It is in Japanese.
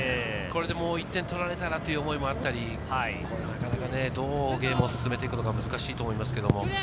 これで、もう１点取られたらという思いもあるし、なかなかどうゲームを進めていくのか難しいと思います。